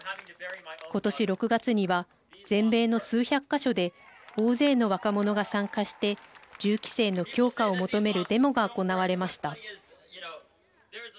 今年６月には、全米の数百か所で大勢の若者が参加して銃規制の強化を求めるデモが行われました。